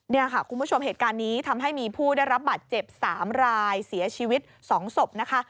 นี่ค่ะคุณผู้ชมเหตุการณ์นี้ทำให้มีผู้ได้รับบัตรเจ็บ๓รายเสียชีวิต๒ศพนะคะ